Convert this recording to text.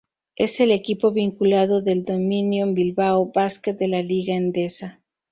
Es el equipo vinculado del Dominion Bilbao Basket de la Liga Endesa.